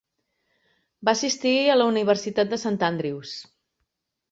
Va assistir a la Universitat de Sant Andrews.